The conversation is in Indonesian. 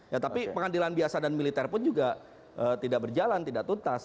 ya tapi pengadilan biasa dan militer pun juga tidak berjalan tidak tuntas